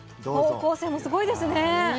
高校生もすごいですね。